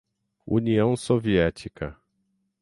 União Soviética